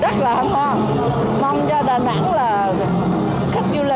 rất là hào hóa mong cho đà nẵng là